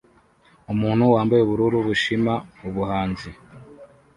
Umuntu wambaye ubururu bushima ubuhanzi